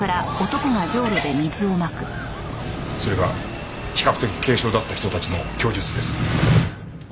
それが比較的軽傷だった人たちの供述です。